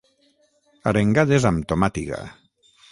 Arengades amb tomàtiga